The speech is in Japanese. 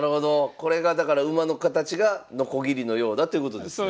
これがだから馬の形がノコギリのようだってことですね？